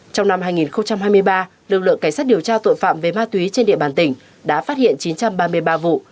trong năm hai nghìn hai mươi ba lực lượng cảnh sát điều tra tội phạm về ma túy trên địa bàn tỉnh đã phát hiện chín trăm ba mươi ba vụ